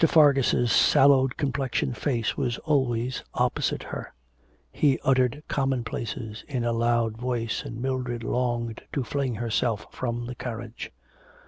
Fargus' sallow complexioned face was always opposite her; he uttered commonplaces in a loud voice, and Mildred longed to fling herself from the carriage.